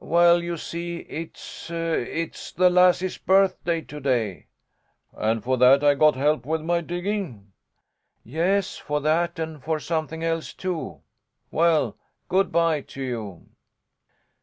"Well, you see, it's it's the lassie's birthday to day." "And for that I got help with my digging?" "Yes, for that and for something else, too! Well good bye to you!"